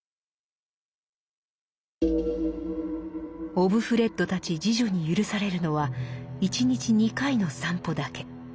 オブフレッドたち侍女に許されるのは１日２回の散歩だけ。